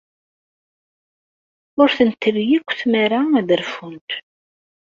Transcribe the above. Ur tent-terri akk tmara ad rfunt.